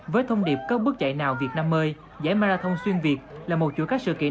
với thông điệp có bước chạy nào việt nam mới giải marathon xuyên việt là một chuỗi các sự kiện